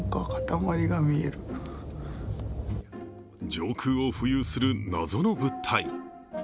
上空を浮遊する謎の物体。